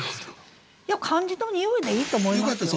いや漢字の「匂い」でいいと思いますよ。